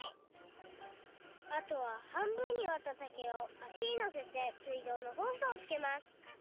あとは半分にわった竹をあしにのせてすいどうのホースをつけます！